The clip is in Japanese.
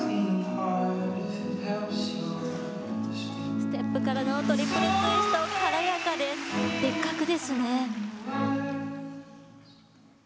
ステップからのトリプルツイスト軽やかです別格ですね。